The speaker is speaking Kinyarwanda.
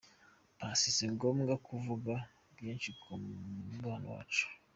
Paccy : Si ngombwa kuvuga byinshi ku mubano wacu.